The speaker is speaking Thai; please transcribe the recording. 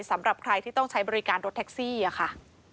สำหรับใครที่ต้องใช้บริการรถแท็กซี่ค่ะ